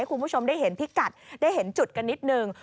คุณผู้ชมได้เห็นพิกัดได้เห็นจุดกันนิดนึง